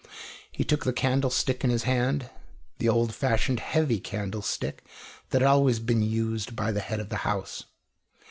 He took the candlestick in his hand, the old fashioned heavy candlestick that had always been used by the head of the house.